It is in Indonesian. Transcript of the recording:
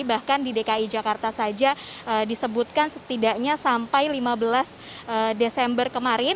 bahkan di dki jakarta saja disebutkan setidaknya sampai lima belas desember kemarin